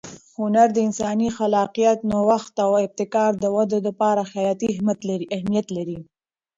هنر د انساني خلاقیت، نوښت او ابتکار د وده لپاره حیاتي اهمیت لري.